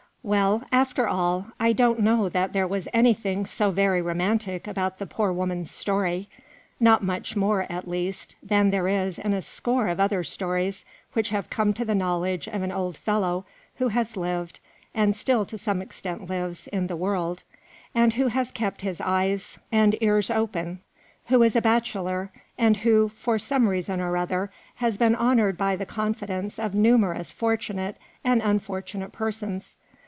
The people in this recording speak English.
WELL, after all, I don't know that there was any thing so very romantic about the poor woman's story ; not much more, at least, than there is in a score of other stories which have come to the knowledge of an old fellow who has lived, and still to some extent lives, in the world, who has kept his eyes and 'THE ROMANCE OF ears open, who is a bachelor, and who, for some reason or other, has been honoured by the confidence of numerous fortunate and unfortunate persons.